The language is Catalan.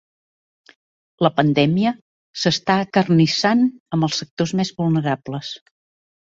La pandèmia s'està acarnissant amb els sectors més vulnerables.